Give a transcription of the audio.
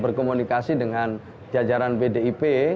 berkomunikasi dengan jajaran bdip